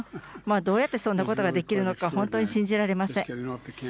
どうやってそんなことができるのか、本当に信じられません。